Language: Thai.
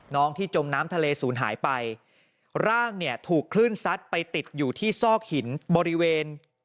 น้องที่จมน้ำทะเลศูนย์หายไปร่างเนี่ยถูกคลื่นซัดไปติดอยู่ที่ซอกหินบริเวณ